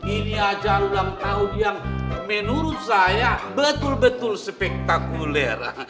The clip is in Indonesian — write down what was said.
ini ajang ulang tahun yang menurut saya betul betul spektakuler